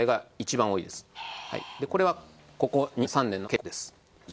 これはここ２年３年の傾向です。